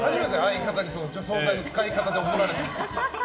相方に除草剤の使い方で怒られたの。